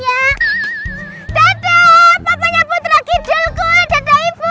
ya dadah papanya putra kidulku dadah ibu